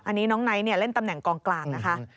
อันนี้น้องไนท์เล่นตำแหน่งกองกลางนะคะ